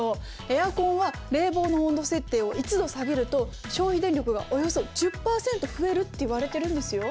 エアコンは冷房の温度設定を１度下げると消費電力がおよそ１０％増えるっていわれてるんですよ。